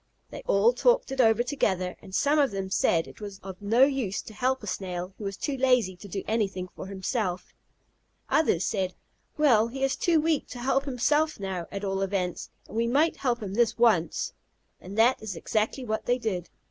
They all talked it over together, and some of them said it was of no use to help a Snail who was too lazy to do anything for himself. Others said, "Well, he is too weak to help himself now, at all events, and we might help him this once." And that is exactly what they did.